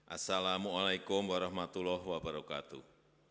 assalamu alaikum warahmatullahi wabarakatuh